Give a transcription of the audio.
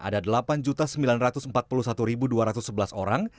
ada delapan sembilan ratus empat puluh satu dua ratus sebelas orang